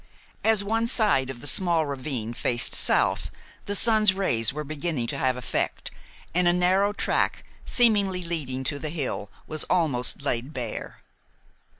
As one side of the small ravine faced south, the sun's rays were beginning to have effect, and a narrow track, seemingly leading to the hill, was almost laid bare.